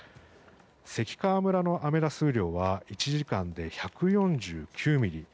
関川村のアメダス雨量は１時間で１４９ミリ。